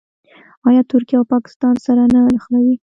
آیا ترکیه او پاکستان سره نه نښلوي؟